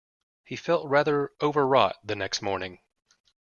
He felt rather overwrought the next morning.